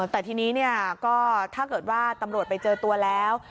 แต่ทีนี้ก็ถ้าเกิดว่าตำรวจไปเจอตัวแล้ว